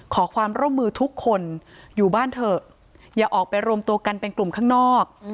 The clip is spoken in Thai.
ขอความร่วมมือทุกคนอยู่บ้านเถอะอย่าออกไปรวมตัวกันเป็นกลุ่มข้างนอก